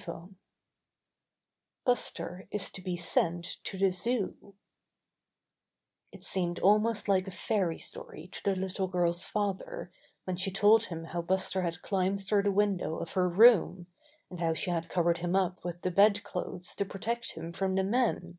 STORY XV Buster is to be Sent to the Zoo It seemed almost like a fairy story to the little girl's father when she told him how Buster had climbed through the window of her room, and how she had covered him up with the bed clothes to protect him from the men.